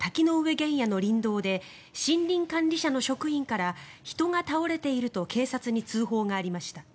原野の林道で森林管理署の職員から人が倒れていると警察に通報がありました。